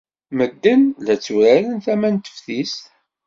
Medden la tturaren tama n teftist.